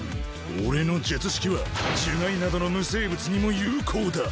俺の術式は呪骸などの無生物にも有効だ。